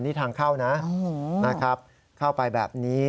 นี่ทางเข้านะนะครับเข้าไปแบบนี้